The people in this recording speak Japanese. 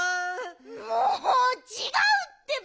もうちがうってば！